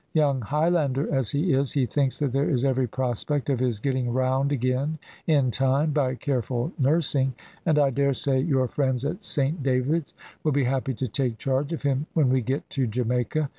Young Highlander as he is, he thinks that there is every prospect of his getting round again in time by careful nursing, and I dare say your friends at Saint David's will be happy to take charge of him when we get to Jamaica.